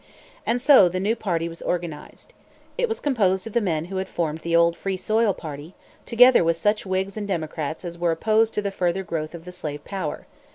And so the new party was organized. It was composed of the men who had formed the old Free Soil Party, together with such Whigs and Democrats as were opposed to the further growth of the slave power.